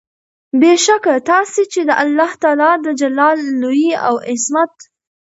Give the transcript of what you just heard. بې شکه تاسي چې د الله تعالی د جلال، لوئي او عظمت